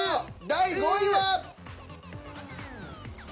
第５位は？